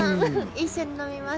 一緒に飲みません？